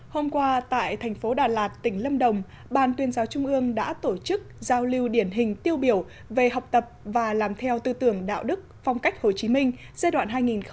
hôm qua tại thành phố đà lạt tỉnh lâm đồng ban tuyên giáo trung ương đã tổ chức giao lưu điển hình tiêu biểu về học tập và làm theo tư tưởng đạo đức phong cách hồ chí minh giai đoạn hai nghìn một mươi chín hai nghìn hai mươi